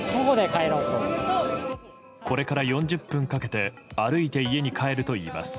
これから４０分かけて歩いて家に帰るといいます。